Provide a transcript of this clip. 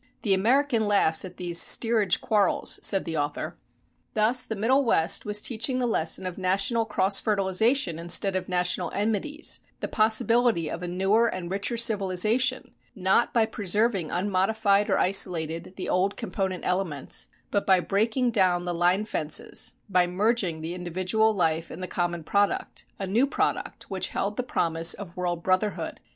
"The American laughs at these steerage quarrels," said the author. Thus the Middle West was teaching the lesson of national cross fertilization instead of national enmities, the possibility of a newer and richer civilization, not by preserving unmodified or isolated the old component elements, but by breaking down the line fences, by merging the individual life in the common product a new product, which held the promise of world brotherhood.